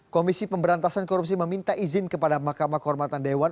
komisi pemberantasan korupsi meminta izin kepada mahkamah kehormatan dewan